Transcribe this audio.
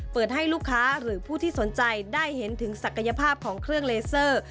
เปิดให้ลูกค้าหรือผู้ที่สนใจได้เห็นถึงศักยภาพของเครื่องเลเซอร์